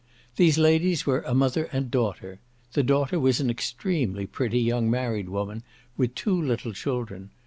These ladies were a mother and daughter; the daughter was an extremely pretty young married woman, with two little children.